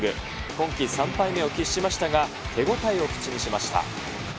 今季３敗目を喫しましたが、手応えを口にしました。